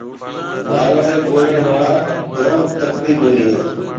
مارواڙِي ٻولڻ آݪا جوم تڪڙِي ٻوليَ هيَ۔